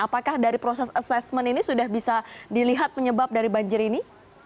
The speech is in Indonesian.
apakah dari proses asesmen ini sudah bisa dilihat penyebab dari banjir ini